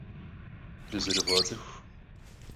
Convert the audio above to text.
Dızerıvğets'ıxu!